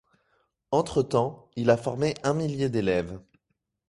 Entre-temps, il a formé un millier d'élèves.